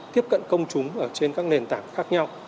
tiếp cận công chúng ở trên các nền tảng khác nhau